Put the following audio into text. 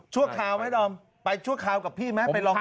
ชั่วคราวไหมดอมไปชั่วคราวกับพี่ไหมไปลองค้นต่อ